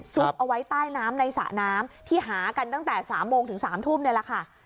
เอาไว้ใต้น้ำในสระน้ำที่หากันตั้งแต่๓โมงถึง๓ทุ่มนี่แหละค่ะ